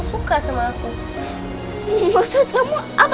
yuk kita pulang ke panti